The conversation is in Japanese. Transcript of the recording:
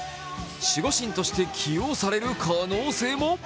守護神として起用される可能性も。